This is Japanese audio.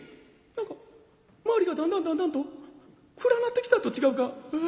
何か周りがだんだんだんだんと暗なってきたと違うか。